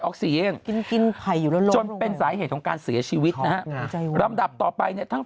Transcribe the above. ออกเซียนจนเป็นสายเหตุของการเสียชีวิตลำดับต่อไปในทั้ง